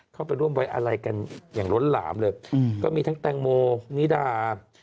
เข้าไปร่วมไว้อะไรกันอย่างล้นหลามเลยก็มีทั้งแตงโมนิดา